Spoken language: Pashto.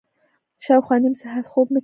شاوخوا نیم ساعت خوب مې کړی و.